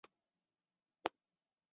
证明了这一点。